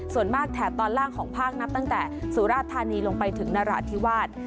ส่วนมากแถบตอนล่างของภาคนับตั้งแต่สุราธานีลงไปถึงนราธิวาส